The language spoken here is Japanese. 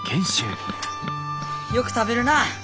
よく食べるなあ。